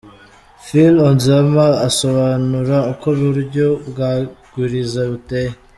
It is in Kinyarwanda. Philp Onzoma asobanura uko uburyo bwa Iguriza buteye.